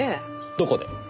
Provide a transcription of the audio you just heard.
どこで？